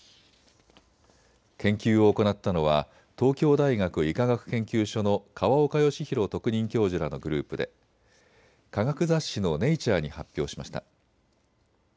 研究を行ったのは東京大学医科学研究所の河岡義裕特任教授らのグループで科学雑誌のネイチャーに発表しました。